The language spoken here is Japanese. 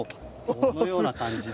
このような感じで。